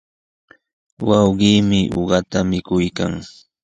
Wawqiimi uqata mikuykan.